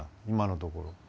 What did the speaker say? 今のところ。